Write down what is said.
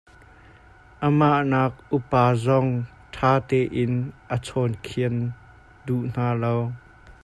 Amah nak upa zong ṭha tein a chawnkhian duh hna lo.